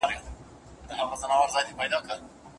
څېړونکی د معلوماتو په راټولولو کي نه ستړی کېږي.